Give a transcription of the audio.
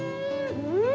うん。